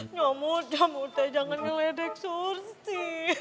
nyamur jangan ngeledek surti